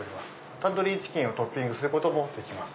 タンドリーチキンをトッピングすることもできます。